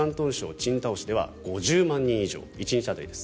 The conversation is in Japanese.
青島市では５０万人以上１日当たりです。